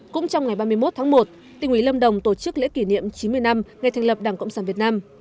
cũng trong ngày ba mươi một tháng một tỉnh ủy lâm đồng tổ chức lễ kỷ niệm chín mươi năm ngày thành lập đảng cộng sản việt nam